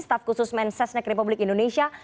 staf khusus menses negeri republik indonesia